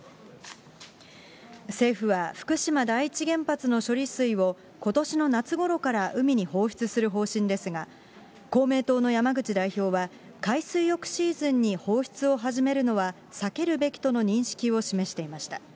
政府は福島第一原発の処理水を、ことしの夏ごろから海に放出する方針ですが、公明党の山口代表は、海水浴シーズンに放出を始めるのは避けるべきとの認識を示していました。